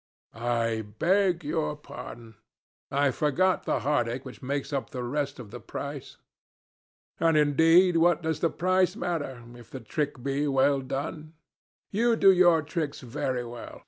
"I beg your pardon. I forgot the heartache which makes up the rest of the price. And indeed what does the price matter, if the trick be well done? You do your tricks very well.